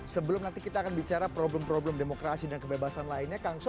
sebelum nanti kita akan bicara problem problem demokrasi dan kebebasan lainnya kang sob